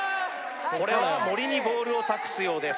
これは森にボールを託すようです